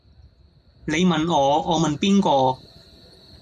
你問我我問邊個